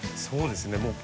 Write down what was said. そうですね。